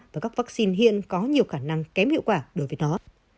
và các vaccine hiện có nhiều khả năng kém hiệu quả đối với nó